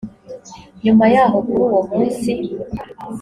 nyuma yaho kuri uwo munsi